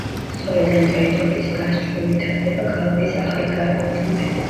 სწორედ ამ ტერიტორიის გასწვრივ ვითარდება ქალაქის ახალი გარეუბნები.